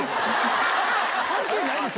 関係ないです。